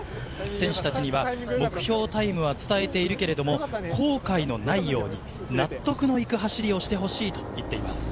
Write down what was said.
選手たちには目標タイムは伝えているけれども、後悔のないように納得のいく走りをしてほしいと言っています。